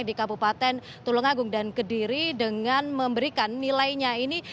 di kabupaten tulungagung dan kediri dengan memberikan nilainya ini